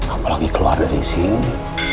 apalagi keluar dari sini